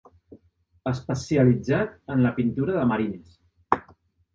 Especialitzat en la pintura de marines.